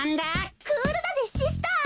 クールだぜシスター！